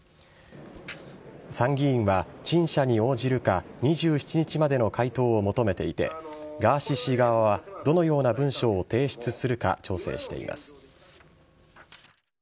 参議院は陳謝に応じるか２７日までの回答を求めていてガーシー氏側はどのような文書を提出するか調整しています。